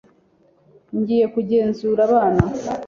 Ngiye kugenzura abana